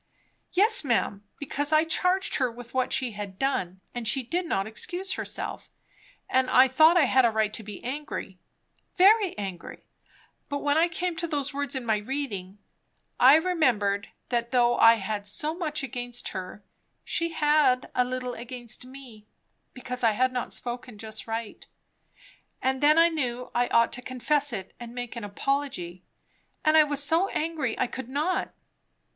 "Yes, ma'am, because I charged her with what she had done; and she did not excuse herself; and I thought I had a right to be angry very angry; but when I came to those words in my reading, I remembered that though I had so much against her, she had a little against me; because I had not spoken just right. And then I knew I ought to confess it and make an apology; and I was so angry I could not."